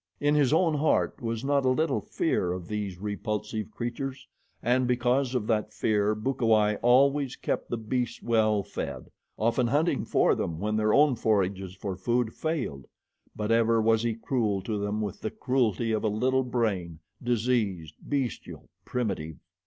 In his own heart was not a little fear of these repulsive creatures, and because of that fear, Bukawai always kept the beasts well fed, often hunting for them when their own forages for food failed, but ever was he cruel to them with the cruelty of a little brain, diseased, bestial, primitive.